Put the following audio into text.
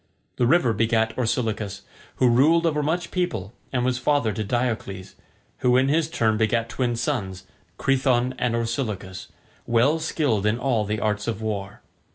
The river begat Orsilochus, who ruled over much people and was father to Diocles, who in his turn begat twin sons, Crethon and Orsilochus, well skilled in all the arts of war.